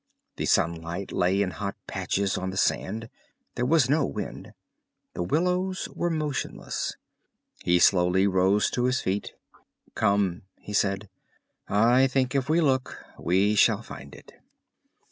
The sunlight lay in hot patches on the sand. There was no wind. The willows were motionless. He slowly rose to feet. "Come," he said; "I think if we look, we shall find it."